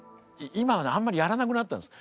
今はねあんまりやらなくなったんです。